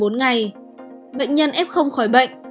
một mươi bốn ngày bệnh nhân ép không khỏi bệnh